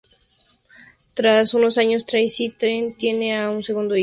Tras unos años, Tracy y Ted tienen a su segundo hijo, Luke.